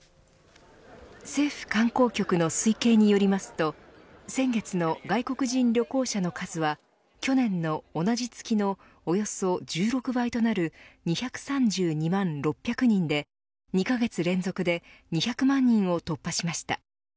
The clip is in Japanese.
政府観光局の推計によりますと先月の外国人旅行者の数は去年の同じ月のおよそ１６倍となる２３２万６００人で２カ月連続で２００万人を突破しました。